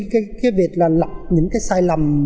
cái việc là lặp những cái sai lầm